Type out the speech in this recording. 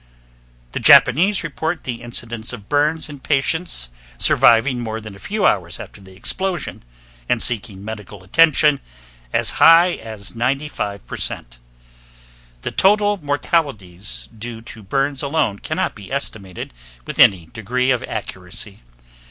The Japanese report the incidence of burns in patients surviving more than a few hours after the explosion, and seeking medical attention, as high as 95%. The total mortalities due to burns alone cannot be estimated with any degree of accuracy.